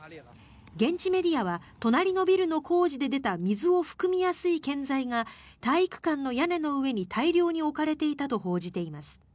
現地メディアは隣のビルの工事で出た水を含みやすい建材が体育館の屋根の上に大量に置かれていたと報じています。